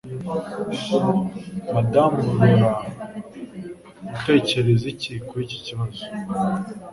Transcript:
Madamu Roland utekereza iki kuri iki kibazo